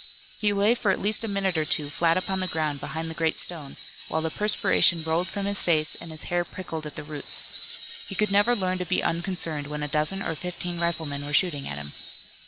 He lay for at least a minute or two flat upon the ground behind the great stone, while the perspiration rolled from his face and his hair prickled at the roots. He could never learn to be unconcerned when a dozen or fifteen riflemen were shooting at him.